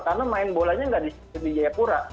karena main bolanya tidak di jayapura